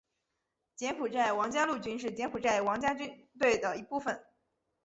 柬埔寨王家陆军是柬埔寨王家军队的一部分。